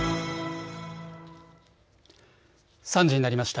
３時になりました。